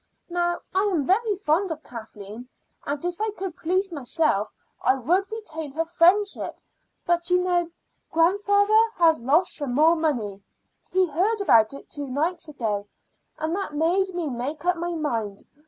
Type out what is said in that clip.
Now I am very fond of Kathleen, and if I could please myself I would retain her friendship. But you know, grandfather has lost some more money. He heard about it two nights ago, and that made me make up my mind.